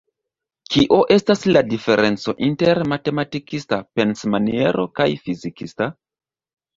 Kio estas la diferenco inter matematikista pensmaniero kaj fizikista?